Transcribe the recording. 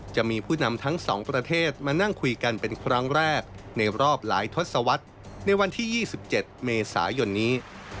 จะมีผู้นำทั้งสองประเทศมานั่งคุยกันเป็นครั้งแรกในรอบหลายทศวรรษในวันที่๒๗เมษายนนี้